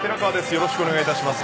よろしくお願いします。